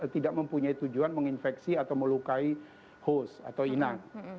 tidak mempunyai tujuan menginfeksi atau melukai host atau inang